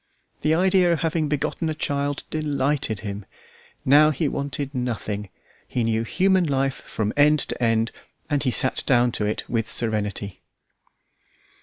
The idea of having begotten a child delighted him. Now he wanted nothing. He knew human life from end to end, and he sat down to it with serenity.